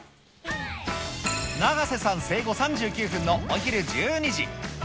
永瀬さん生後３９分のお昼１２時。